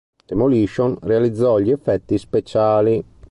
Demolition realizzò gli effetti speciali.